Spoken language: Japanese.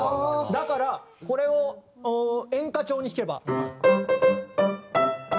だからこれを演歌調に弾けば。